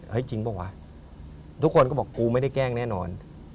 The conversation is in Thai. จริงเปล่าวะทุกคนก็บอกกูไม่ได้แกล้งแน่นอน